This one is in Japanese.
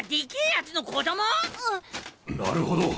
なるほど。